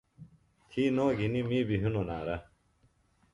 تھی نوۡ گِھنیۡ می بیۡ ہِنوۡ نعرہ۔